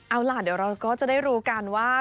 เอาล่ะเดี๋ยวเราก็จะได้รู้กันว่า